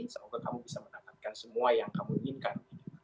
semoga kamu bisa mendapatkan semua yang kamu inginkan